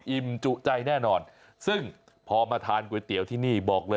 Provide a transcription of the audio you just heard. จุใจแน่นอนซึ่งพอมาทานก๋วยเตี๋ยวที่นี่บอกเลย